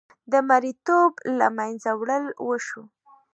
د مریې توب له منځه وړل وشو.